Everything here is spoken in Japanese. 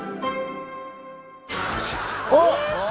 おっ！